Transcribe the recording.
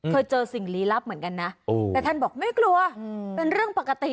เจอสิ่งลี้ลับเหมือนกันนะแต่ท่านบอกไม่กลัวเป็นเรื่องปกติ